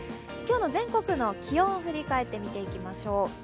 今日の全国の気温を降りかえって見ていきましょう。